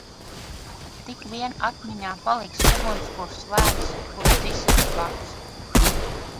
Tik vien atmiņā paliks ugunskurs lēns kurš dzisīs pats.